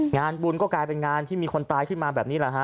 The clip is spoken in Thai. งานบุญก็กลายเป็นงานที่มีคนตายขึ้นมาแบบนี้แหละฮะ